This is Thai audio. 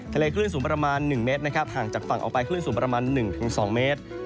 ทะเลขึ้นสูงประมาณหนึ่งเมตรนะครับห่างจากฝั่งออกไปขึ้นสูงประมาณหนึ่งถึงสองเมตร